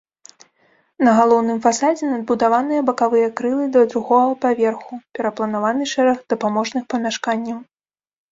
На галоўным фасадзе надбудаваныя бакавыя крылы да другога паверху, перапланаваны шэраг дапаможных памяшканняў.